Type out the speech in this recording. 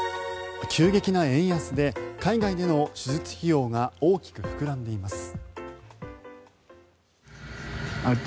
急激な円安で海外での手術費用が大きく膨らんでいます。